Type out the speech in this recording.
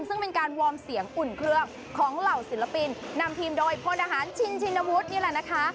ซึ่งเป็นการวอร์มเสียงอุ่นเครื่องของเหล่าศิลปินนำทีมโดยพลอาหารชินชินวุฒินี่แหละนะคะ